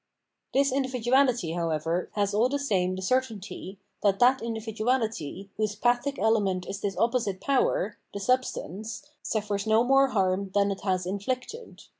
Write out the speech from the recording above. This individuality, however, has aU the same the cer tainty, that that individuality, whose "pathic" ele ment is this opposite power [the substance], suffers no more harm than it has inflicted.